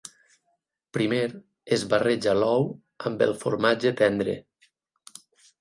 Primer, es barreja l'ou amb el formatge tendre.